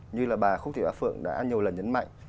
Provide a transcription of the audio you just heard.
như là bà khúc thị a phượng đã nhiều lần nhấn mạnh